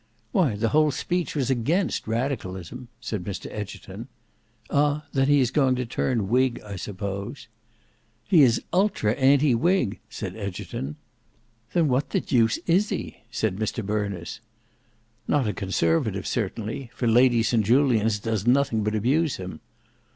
"Why the whole speech was against radicalism," said Mr Egerton. "Ah, then he is going to turn whig, I suppose." "He is ultra anti whig," said Egerton. "Then what the deuce is he?" said Mr Berners. "Not a conservative certainly, for Lady St Julians does nothing but abuse him."